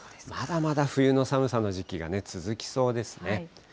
まだまだ冬の寒さの時期が続きそうですね。